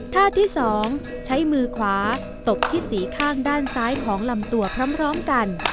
ท่าที่๒ใช้มือขวาตบที่สีข้างด้านซ้ายของลำตัวพร้อมกัน